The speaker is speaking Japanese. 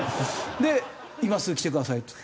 で「今すぐ来てください」と。